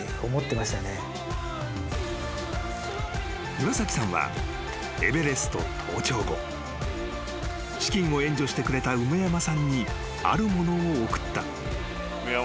［岩崎さんはエベレスト登頂後資金を援助してくれた梅山さんにあるものを送った］